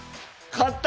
勝った！